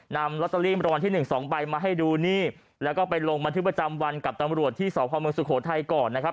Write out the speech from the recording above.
นำลอตเตอรี่มรวรรณที่หนึ่งสองใบมาให้ดูนี่แล้วก็ไปลงบันทึกประจำวันกับตำรวจที่สพเมืองสุโขทัยก่อนนะครับ